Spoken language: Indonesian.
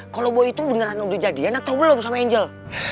kalo boy sebenernya sudah jadian atau belum sama angel